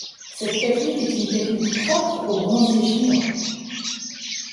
Cette technique est une technique propre aux bronziers chinois.